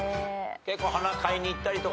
結構花買いに行ったりとかする？